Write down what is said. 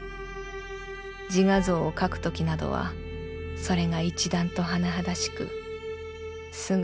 自画像を描く時などはそれが一段と甚だしくすぐ